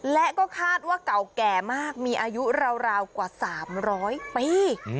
และก็คาดว่าเก่าแก่มากมีอายุราวกว่า๓๐๐ปี